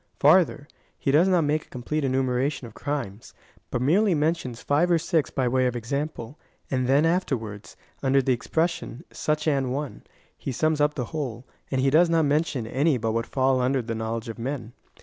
Farther, he does not make a complete enumeration of crimes, but merely mentions five or six by way of example, and then afterwards, under the expression such an one, he sums up the whole ; and he does not mention any but what fall under the knowledge of men.